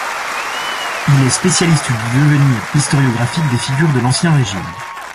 Il est spécialiste du devenir historiographique des figures de l'Ancien Régime.